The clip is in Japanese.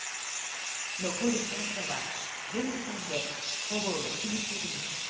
残る酸素は現時点でほぼ１日分。